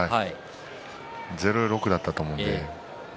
０−６だったと思います。